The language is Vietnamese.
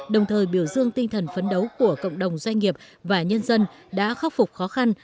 đồng thời biểu dương tinh thần phấn đấu của cộng đồng doanh nghiệp và nhân dân đã khắc phục khó khăn